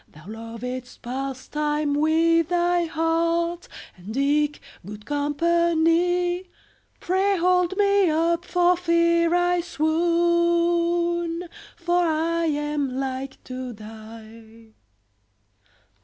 Thou lovedst pastime with thy heart, And eke good company; Pray hold me up for fear I swoon, For I am like to die.